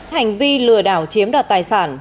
hành vi lừa đảo chiếm đoạt tài sản